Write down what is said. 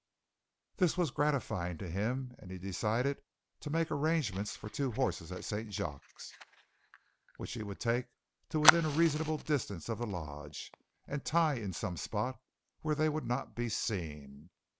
This was gratifying to him, and he decided to make arrangements for two horses at St. Jacques, which he would take to within a reasonable distance of the lodge and tie in some spot where they would not be seen.